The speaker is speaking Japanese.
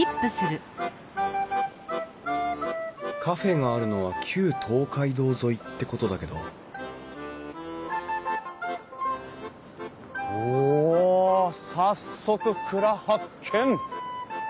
カフェがあるのは旧東海道沿いってことだけどお早速蔵発見。